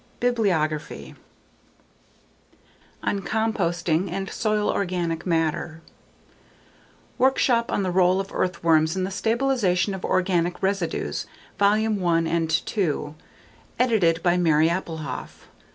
Bibliography On composting and soil organic matter Workshop on the Role of Earthworms in the Stabilization of Organic Residues, Vol. I and II. Edited by Mary Appelhof.